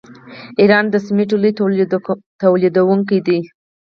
ایران د سمنټو لوی تولیدونکی دی.